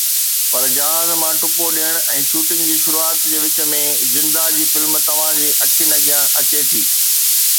پر جهاز مان ٽپو ڏيڻ ۽ شوٽنگ جي شروعات جي وچ ۾، زندهه جي فلم توهان جي اکين اڳيان اچي ٿي